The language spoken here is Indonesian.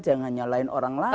jangan nyalahin orang lain